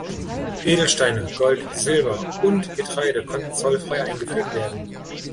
Edelsteine, Gold, Silber und Getreide konnten zollfrei eingeführt werden.